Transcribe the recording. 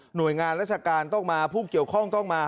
โดยงานราชการต้องมาผู้เกี่ยวข้องต้องมา